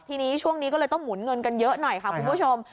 ทีนี้ช่วงนี้ก็เลยต้องหมุนเงินกันเยอะหน่อยค่ะคุณผู้ชม